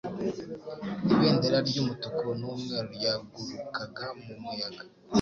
Ibendera ry'umutuku n'umweru ryagurukaga mu muyaga.